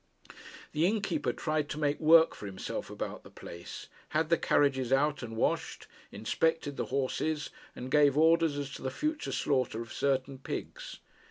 The innkeeper tried to make work for himself about the place, had the carriages out and washed, inspected the horses, and gave orders as to the future slaughter of certain pigs.